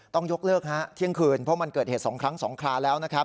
ต้องยกเลิกเที่ยงคืนเพราะมันเกิดเหตุสองครั้งสองคลาแล้ว